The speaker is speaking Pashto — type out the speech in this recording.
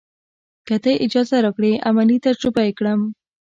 که تۀ اجازه راکړې عملي تجربه یې کړم.